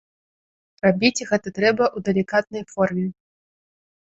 Рабіць гэта трэба ў далікатнай форме.